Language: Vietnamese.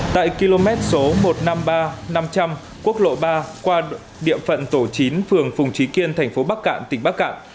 tại km một trăm năm mươi ba năm trăm linh quốc lộ ba qua địa phận tổ chín phường phùng trí kiên thành phố bắc cạn tỉnh bắc cạn